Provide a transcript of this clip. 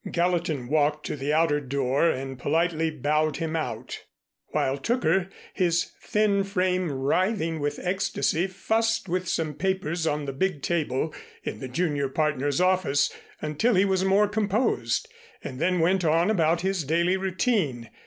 Gallatin walked to the outer door and politely bowed him out, while Tooker, his thin frame writhing with ecstasy, fussed with some papers on the big table in the junior partner's office until he was more composed, and then went on about his daily routine.